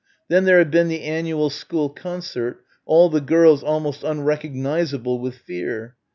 Then there had been the annual school concert, all the girls almost unrecognisable with fear.